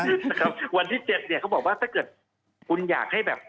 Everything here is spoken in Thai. ครับวันที่๗เขาบอกว่าถ้าเกิดคุณอยากให้แบบ